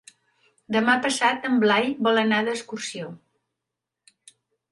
Demà passat en Blai vol anar d'excursió.